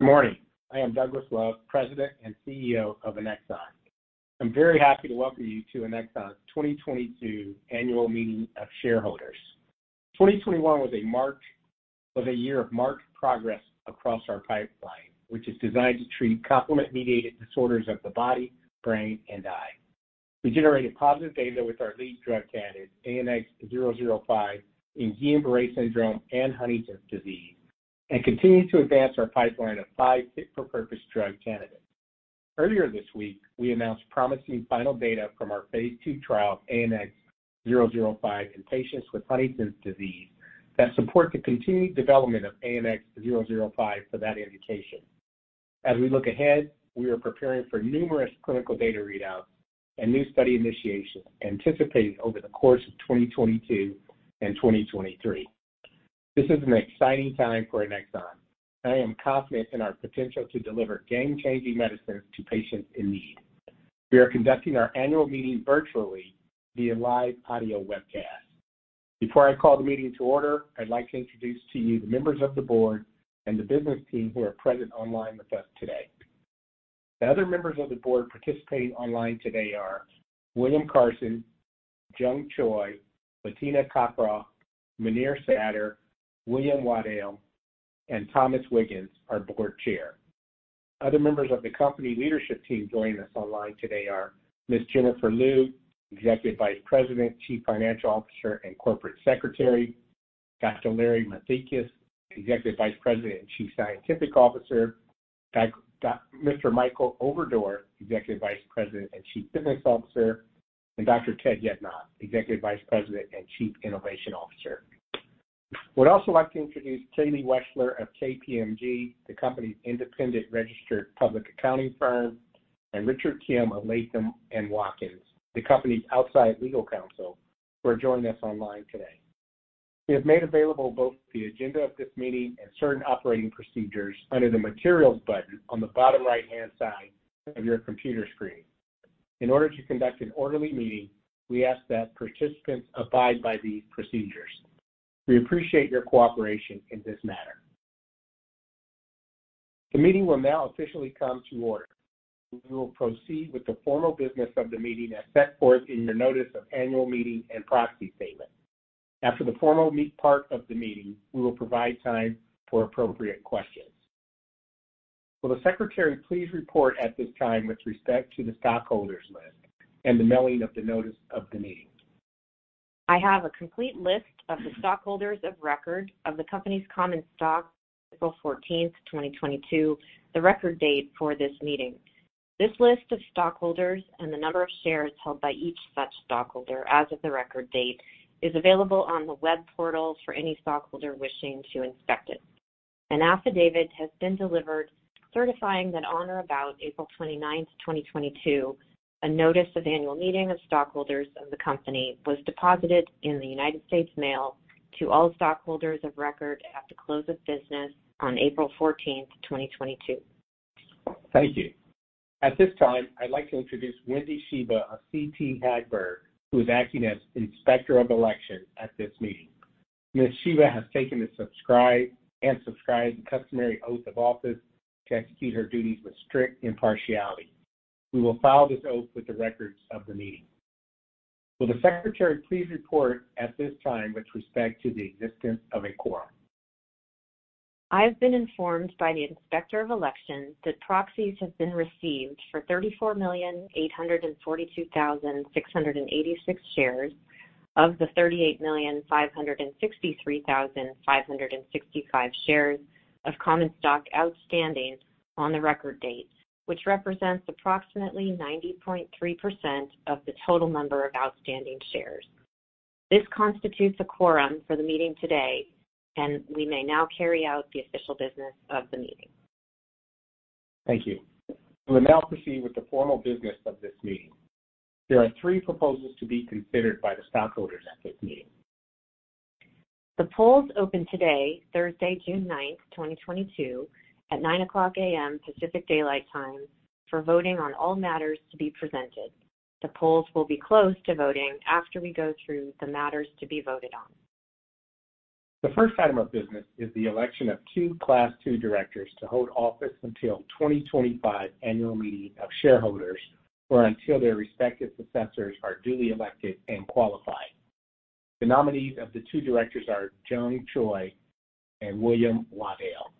Good morning. I am Douglas Love, President and CEO of Annexon. I'm very happy to welcome you to Annexon's 2022 Annual Meeting of Shareholders. 2021 was a year of marked progress across our pipeline, which is designed to treat complement mediated disorders of the body, brain, and eye. We generated positive data with our lead drug candidate, ANX005, in Guillain-Barré syndrome and Huntington's disease, and continued to advance our pipeline of five fit-for-purpose drug candidates. Earlier this week, we announced promising final data from our phase ll trial of ANX005 in patients with Huntington's disease that support the continued development of ANX005 for that indication. As we look ahead, we are preparing for numerous clinical data readouts and new study initiations anticipated over the course of 2022 and 2023. This is an exciting time for Annexon. I am confident in our potential to deliver game-changing medicines to patients in need. We are conducting our annual meeting virtually via live audio webcast. Before I call the meeting to order, I'd like to introduce to you the members of the board and the business team who are present online with us today. The other members of the board participating online today are William H. Carson, Jung E. Choi, Bettina M. Cockroft, Muneer Satter, William Waddill, and Thomas G. Wiggans, our board chair. Other members of the company leadership team joining us online today are Jennifer Lew, Executive Vice President, Chief Financial Officer, and Corporate Secretary, Dr. Larry Mattheakis, Executive Vice President and Chief Scientific Officer, Mr. Michael Overdorf, Executive Vice President and Chief Business Officer, and Dr. Ted Yednock, Executive Vice President and Chief Innovation Officer. Would also like to introduce Katie Wechsler of KPMG, the company's independent registered public accounting firm, and Richard Kim of Latham & Watkins, the company's outside legal counsel, who are joining us online today. We have made available both the agenda of this meeting and certain operating procedures under the materials button on the bottom right-hand side of your computer screen. In order to conduct an orderly meeting, we ask that participants abide by these procedures. We appreciate your cooperation in this matter. The meeting will now officially come to order. We will proceed with the formal business of the meeting as set forth in your notice of annual meeting and proxy statement. After the formal meeting part of the meeting, we will provide time for appropriate questions. Will the secretary please report at this time with respect to the stockholders list and the mailing of the notice of the meeting? I have a complete list of the stockholders of record of the company's common stock, April 14, 2022, the record date for this meeting. This list of stockholders and the number of shares held by each such stockholder as of the record date is available on the web portal for any stockholder wishing to inspect it. An affidavit has been delivered certifying that on or about April 29, 2022, a notice of annual meeting of stockholders of the company was deposited in the United States mail to all stockholders of record at the close of business on April 14, 2022. Thank you. At this time, I'd like to introduce Wendy Shiba of CT Hagberg, who is acting as Inspector of Election at this meeting. Ms. Shiba has taken and subscribed the customary oath of office to execute her duties with strict impartiality. We will file this oath with the records of the meeting. Will the secretary please report at this time with respect to the existence of a quorum? I have been informed by the Inspector of Election that proxies have been received for 34,842,686 shares of the 38,563,565 shares of common stock outstanding on the record date, which represents approximately 90.3% of the total number of outstanding shares. This constitutes a quorum for the meeting today, and we may now carry out the official business of the meeting. Thank you. We'll now proceed with the formal business of this meeting. There are three proposals to be considered by the stockholders at this meeting. The polls open today, Thursday, June 9, 2022 at 9:00 AM Pacific Daylight Time for voting on all matters to be presented. The polls will be closed to voting after we go through the matters to be voted on. The first item of business is the election of two class two Directors to hold office until 2025 Annual Meeting of Shareholders or until their respective successors are duly elected and qualified. The nominees of the two directors are Jung E. Choi and William Waddill.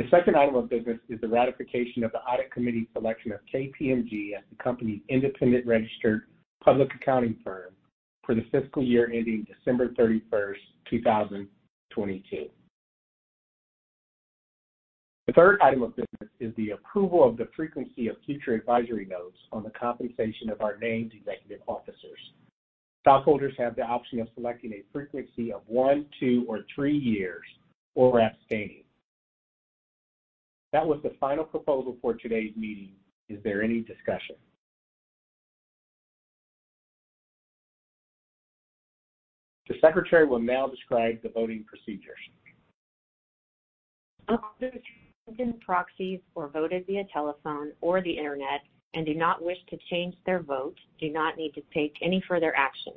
The second item of business is the ratification of the audit committee's election of KPMG as the company's independent registered public accounting firm for the fiscal year ending December 31, 2022. The third item of business is the approval of the frequency of future advisory votes on the compensation of our named executive officers. Stockholders have the option of selecting a frequency of one, two or three years or abstaining. That was the final proposal for today's meeting. Is there any discussion? The secretary will now describe the voting procedures. Stockholders who proxies or voted via telephone or the Internet and do not wish to change their vote, do not need to take any further action.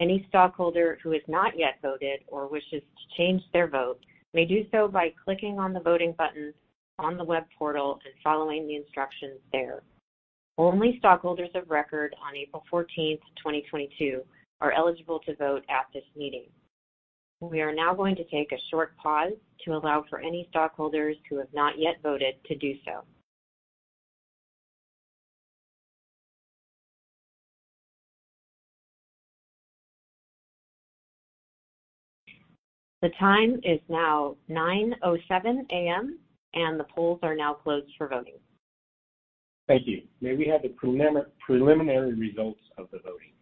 Any stockholder who has not yet voted or wishes to change their vote may do so by clicking on the voting button on the web portal and following the instructions there. Only stockholders of record on April 14, 2022 are eligible to vote at this meeting. We are now going to take a short pause to allow for any stockholders who have not yet voted to do so. The time is now 9:07 AM, and the polls are now closed for voting. Thank you. May we have the preliminary results of the voting?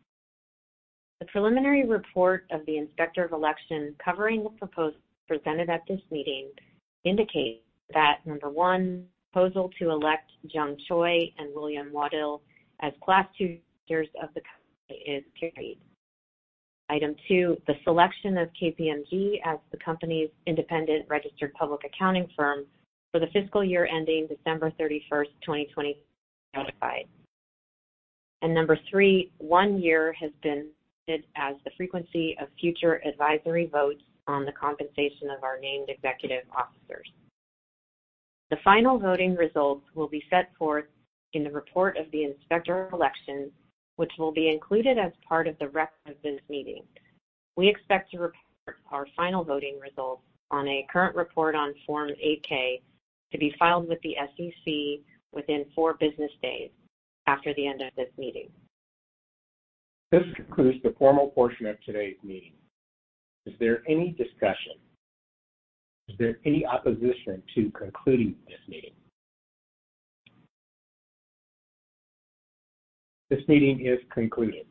The preliminary report of the Inspector of Election covering the proposals presented at this meeting indicates that number one, proposal to elect Jung E. Choi and William Waddill as Class Two directors of the company is carried. Item two, the selection of KPMG as the company's independent registered public accounting firm for the fiscal year ending December 31, 2025. Number three, one year has been selected as the frequency of future advisory votes on the compensation of our named executive officers. The final voting results will be set forth in the report of the Inspector of Elections, which will be included as part of the record of this meeting. We expect to report our final voting results on a current report on Form 8-K to be filed with the SEC within four business days after the end of this meeting. This concludes the formal portion of today's meeting. Is there any discussion? Is there any opposition to concluding this meeting? This meeting is concluded.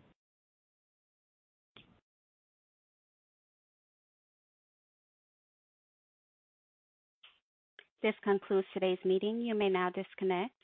This concludes today's meeting. You may now disconnect.